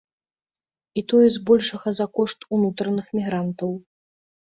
І тое збольшага за кошт унутраных мігрантаў.